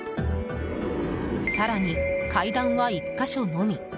更に階段は１か所のみ。